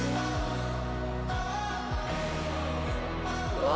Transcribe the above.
うわ。